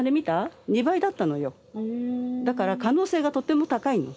だから可能性がとても高いの。